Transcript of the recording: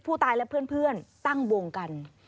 ผู้ตายและเพื่อนตั้งวงกัน